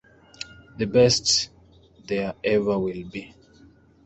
The best there ever will be.